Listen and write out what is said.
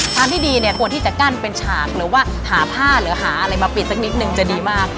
ทางที่ดีเนี่ยควรที่จะกั้นเป็นฉากหรือว่าหาผ้าหรือหาอะไรมาปิดสักนิดนึงจะดีมาก